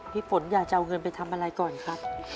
พี่ฝนอยากจะเอาเงินไปทำอะไรก่อนครับ